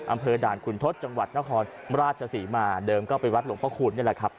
อำเภอด่านคุณทศจังหวัดนครราชศรีมาเดิมก็ไปวัดหลวงพระคูณนี่แหละครับ